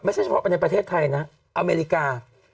ไม่ใช่เฉพาะประเทศไทยนะอเมริกา